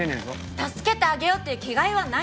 助けてあげようっていう気概はないんですか？